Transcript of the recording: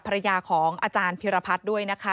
ภรรยาของอาจารย์พิรพัฒน์ด้วยนะคะ